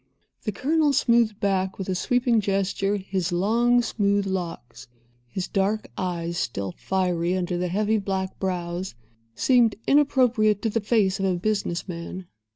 The Colonel smoothed back, with a sweeping gesture, his long, smooth, locks. His dark eyes, still fiery under the heavy black brows, seemed inappropriate to the face of a business man.